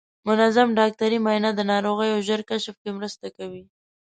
منظم ډاکټري معاینه د ناروغیو ژر کشف کې مرسته کوي.